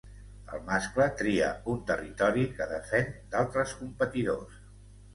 El mascle tria un territori que defèn d'altres competidors.